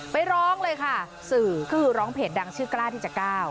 ไปร้องเลยค่ะสื่อก็คือร้องเพจดังชื่อกล้าที่จะก้าว